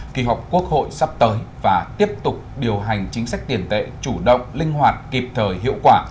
kỳ họp quốc hội sắp tới và tiếp tục điều hành chính sách tiền tệ chủ động linh hoạt kịp thời hiệu quả